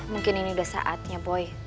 mungkin ini udah saatnya boy